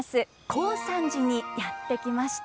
高山寺にやって来ました。